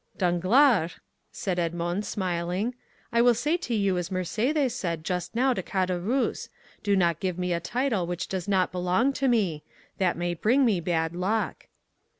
"Danglars," said Edmond, smiling, "I will say to you as Mercédès said just now to Caderousse, 'Do not give me a title which does not belong to me'; that may bring me bad luck."